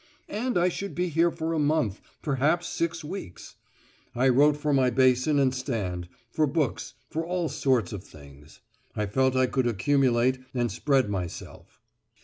And I should be here for a month, perhaps six weeks! I wrote for my basin and stand, for books, for all sorts of things. I felt I could accumulate, and spread myself.